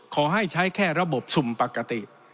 ขอให้ใช้แค่ระบบสุ่มปกติ